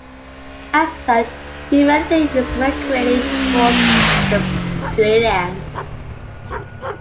As such, humanity is evacuating towards the Pleiades.